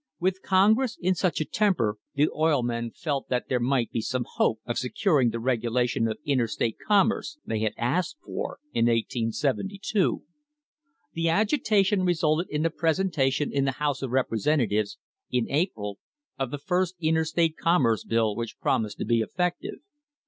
With Congress in such a temper the oil men felt that there might be some hope of securing the regulation of interstate commerce they had asked for in 1872. The agitation resulted in the presentation in the House of Representatives, in April, of the first Interstate Commerce Bill which promised to be effective.